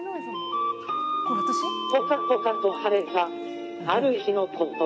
ポカポカと晴れたある日のこと。